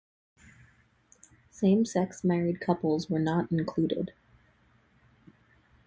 Same-sex married couples were not included.